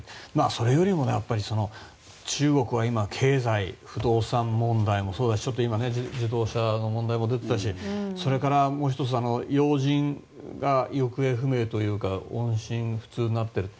それよりも、中国は今経済、不動産問題もそうだし今、自動車の問題も出ていたしそれから、もう１つ要人が行方不明というか音信不通になっていると。